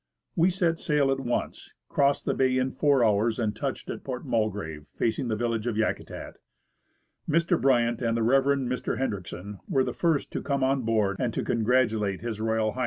We set sail at once, crossed the bay in four hours, and touched at Port Mulgrave, facing the village of Yakutat. Mr. Bryant and the Rev. Mr. Hendriksen were the first to come on board and to congratulate H.R. H.